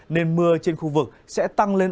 nên mưa trên khu vực sẽ tăng lên